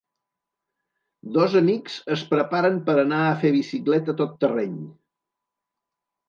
Dos amics es preparen per anar a fer bicicleta tot terreny.